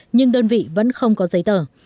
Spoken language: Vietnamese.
nhưng đơn vị vẫn không có giấy tờ